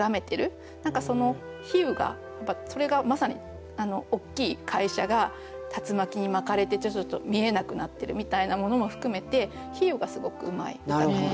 何か比喩がやっぱそれがまさに大きい会社が竜巻に巻かれてちょっと見えなくなってるみたいなものも含めて比喩がすごくうまい歌かなと。